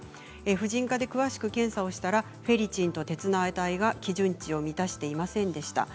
婦人科で詳しく検査したらフェリチンと鉄の値が基準を満たしていませんでした。